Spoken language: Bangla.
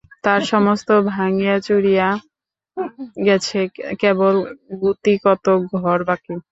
তার সমস্ত ভাঙিয়া-চুরিয়া গেছে, কেবল গুটিকতক ঘর বাকি।